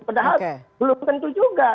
padahal belum tentu juga